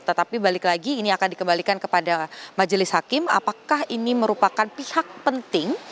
tetapi balik lagi ini akan dikembalikan kepada majelis hakim apakah ini merupakan pihak penting